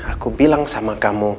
jadi aku bilang sama kamu